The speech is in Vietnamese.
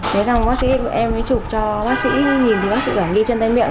thế xong bác sĩ em mới chụp cho bác sĩ nhìn thì bác sĩ bảo ghi chân tay miệng